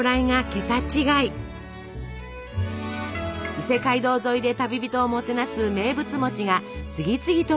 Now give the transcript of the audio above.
伊勢街道沿いで旅人をもてなす名物が次々と売り出されます。